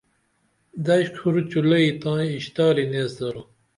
دش کُھر چولئی تائی اِشتاری نیس درو